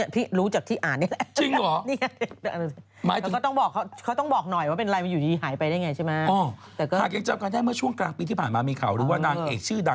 พี่รู้จากที่อ่านเนี่ยแหละ